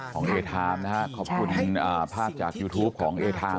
ของเอทามนะฮะขอบคุณภาพจากยูทูปของเอทาม